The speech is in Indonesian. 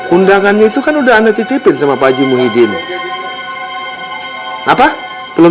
undangannya itu kan udah anda titipin sama pak haji muhyiddin